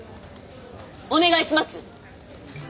お願いします！